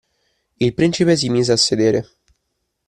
Il principe si mise a sedere.